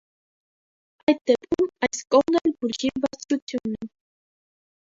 Այդ դեպքում այս կողն էլ բուրգի բարձրությունն է։